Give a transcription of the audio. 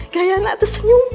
gaya anak tuh senyum